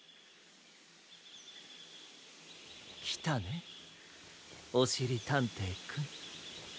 きたねおしりたんていくん。